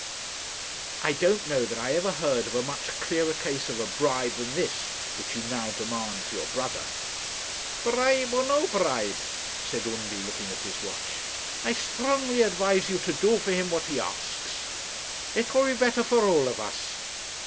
'I don't know that I ever heard of a much clearer case of a bribe than this which you now demand for your brother.' 'Bribe or no bribe,' said Undy, looking at his watch, 'I strongly advise you to do for him what he asks; it will be better for all of us.